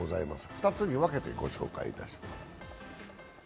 ２つに分けてご紹介いたします。